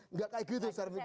enggak kayak gitu secara pikir